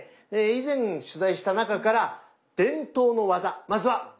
以前取材した中から伝統の技まずはご覧下さい。